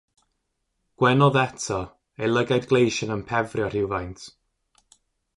Gwenodd eto, ei lygaid gleision yn pefrio rhywfaint.